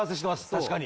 確かに。